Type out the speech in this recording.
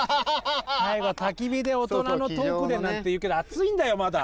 最後はたき火でオトナのトークでなんて言うけど暑いんだよまだ。